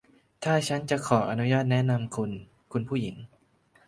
ถ้าฉันจะขออนุญาตแนะนำคุณ คุณผู้หญิง